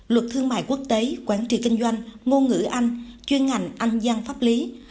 luật thương mại quốc tế quản trị kinh doanh ngôn ngữ anh chuyên ngành anh giang pháp lý